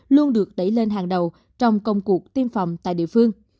luôn được đẩy lên hàng đầu trong công cuộc tiêm phòng tại địa phương